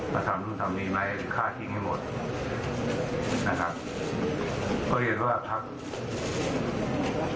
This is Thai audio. มาทำลุงทำมีไหมฆ่าทิ้งให้หมดนะครับก็เรียกว่าภักดิ์